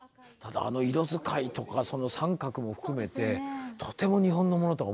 あの色使いとかその三角も含めてとても日本のものとは思えなくて。